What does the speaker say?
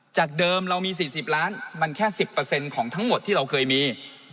จากเดิมเรามี๔๐ล้านมันแค่๑๐ของทั้งหมดที่เราเคยมี